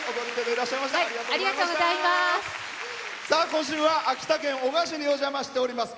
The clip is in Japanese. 今週は秋田県男鹿市にお邪魔しております。